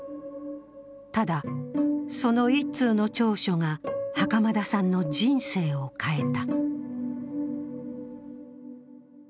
ただ、その１通の調書が袴田さんの人生を変えた。